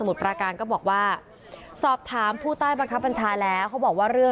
มีกล้วยติดอยู่ใต้ท้องเดี๋ยวพี่ขอบคุณ